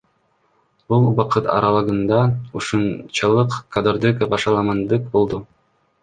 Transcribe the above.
Бул убакыт аралыгында ушунчалык кадрдык башаламандык болду.